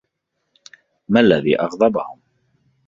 مالذي أغضبهم؟